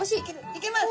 いけます。